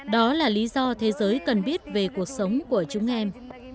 đó là lý do thế giới cần biết về cuộc sống của chúng em